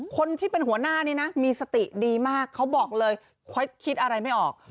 คนที่เป็นหัวหน้านี่นะมีสติดีมากเขาบอกเลยคิดอะไรไม่ออก